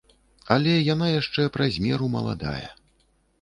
Але яна яшчэ праз меру маладая.